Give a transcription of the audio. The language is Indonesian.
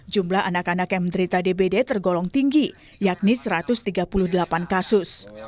jumlah anak anak yang menderita dbd tergolong tinggi yakni satu ratus tiga puluh delapan kasus